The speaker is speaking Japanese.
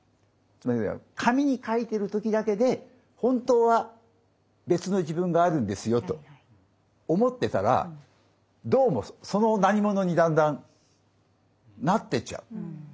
つまり紙に書いてる時だけで本当は別の自分があるんですよと思ってたらどうもその「何者」にだんだんなってっちゃう。